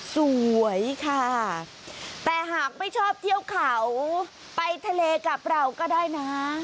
สวยค่ะแต่หากไม่ชอบเที่ยวเขาไปทะเลกับเราก็ได้นะ